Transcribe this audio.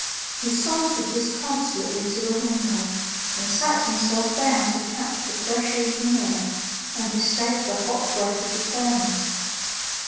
He sauntered disconsolately to the window and sat himself down to catch the fresh evening air and escape the hot breath of the furnace.